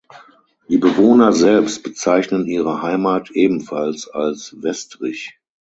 Die Bewohner selbst bezeichnen ihre Heimat ebenfalls als Westrich.